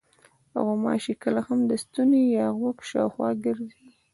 غوماشې کله هم د ستوني یا غوږ شاوخوا ګرځي.